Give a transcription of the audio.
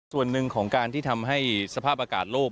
ส่วนหนึ่งของการที่ทำให้สภาพอากาศโลก